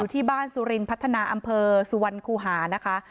ที่บ้านสุรินพัฒนาอำเภอสุวรรณคูหานะคะ